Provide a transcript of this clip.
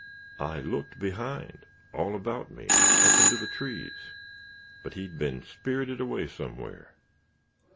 I looked behind, all about me, and up into the trees but he'd been spirited away somewhere.